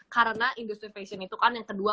karena industrialization itu kan yang kedua